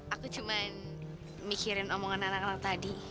aku cuma mikirin omongan anak anak tadi